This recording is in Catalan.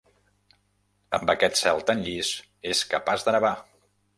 Amb aquest cel tan llis, és capaç de nevar.